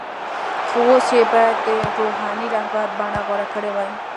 خو اوس یې باید د “روحاني رهبر” بڼه غوره کړې وای.